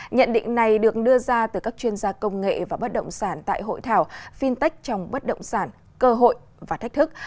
nhận định này được đưa ra từ các chuyên gia công nghệ và bất động sản tại hội thảo fintech trong bất động sản cơ hội và thách thức